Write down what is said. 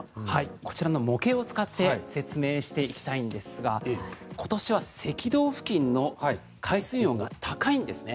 こちらの模型を使って説明していきたいんですが今年は赤道付近の海水温が高いんですね。